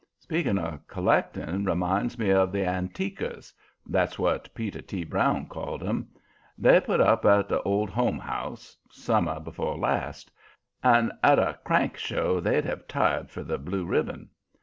Speaking of collecting reminds me of the "Antiquers" that's what Peter T. Brown called 'em. They put up at the Old Home House summer before last; and at a crank show they'd have tied for the blue ribbon.